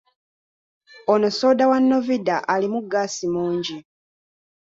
Ono soda wa Novida alimu ggaasi mungi.